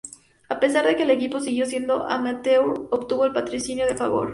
A pesar de que el equipo siguió siendo amateur, obtuvo el patrocinio de Fagor.